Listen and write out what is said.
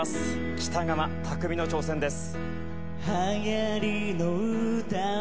北川拓実の挑戦です。